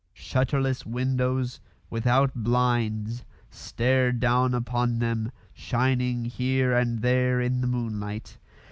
Shutterless windows, without blinds, stared down upon them, shining here and there in the moonlight.